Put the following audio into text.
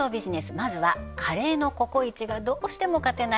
まずはカレーのココイチがどうしても勝てない